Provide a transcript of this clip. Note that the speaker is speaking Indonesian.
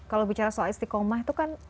kalau bicara soal istiqomah itu kan